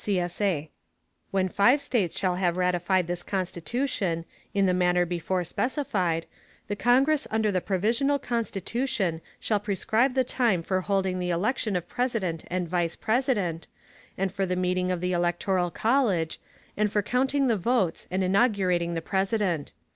[CSA] _When five States shall have ratified this Constitution, in the manner before specified, the Congress under the Provisional Constitution shall prescribe the time for holding the election of President and Vice President, and for the meeting of the electoral college, and for counting the votes, and inaugurating the President.